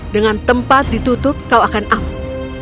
dengan tempat ditutup kau akan aman